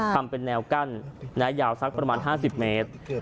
ทำเป็นแนวกั้นยาวสักประมาณ๕๐เมตร